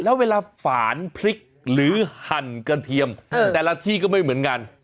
แล้วเวลาฝานพริกหรือหั่นกระเทียมแต่ละที่ก็ไม่เหมือนกัน